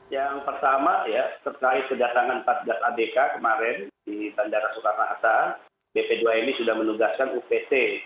yang pertama ya terkait kedatangan empat belas adk kemarin di tandara soekarnasa bp dua mi sudah menugaskan upc